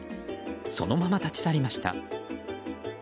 そのまま立ち去りました。